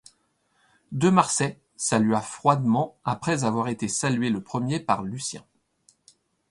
De Marsay salua froidement après avoir été salué le premier par Lucien.